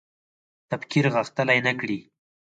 تفکر غښتلی نه کړي